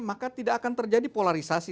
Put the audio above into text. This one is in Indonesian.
maka tidak akan terjadi polarisasi